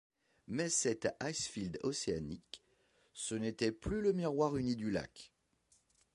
Mais cet icefield océanique, ce n’était plus le miroir uni du lac.